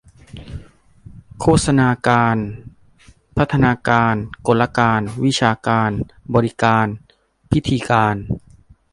โฆษณาการ พัฒนาการ กลการ วิชาการ บริการ พิธีการ